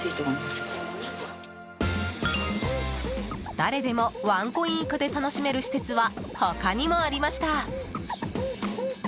誰でもワンコイン以下で楽しめる施設は他にもありました。